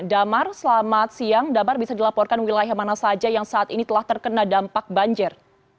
damar selamat siang damar bisa dilaporkan wilayah mana saja yang saat ini telah terkena dampak banjir